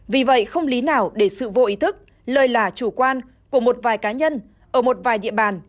vì vậy không lý nào để sự vô ý thức lơi là chủ quan của một vài cá nhân ở một vài địa bàn